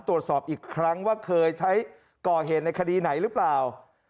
ตรวจสอบอีกครั้งว่าเคยใช้ก่อเหตุในคดีไหนหรือเปล่า